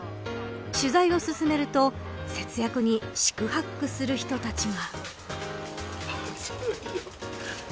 取材を進めると節約に四苦八苦する人たちが。